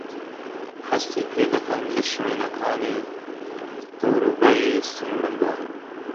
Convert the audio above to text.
هەستی پێدەکەم له شوێنەکانی دەورووبەری سنگمدا؟